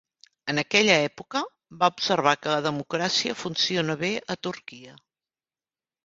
En aquella època, va observar que la democràcia funciona bé a Turquia.